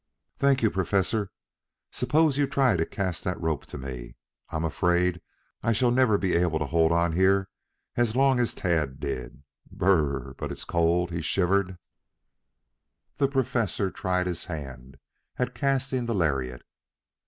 "Thank you, Professor. Suppose you try to cast that rope to me. I'm afraid I shall never be able to hold on here alone as long as Tad did. B r r r, but it's cold!" he shivered. The Professor tried his hand at casting the lariat.